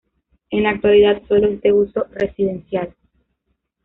En la actualidad solo es de uso residencial.